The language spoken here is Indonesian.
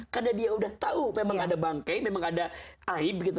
karena dia udah tahu memang ada bangkei memang ada aib gitu